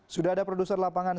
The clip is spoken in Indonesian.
sudah ada produser lapangan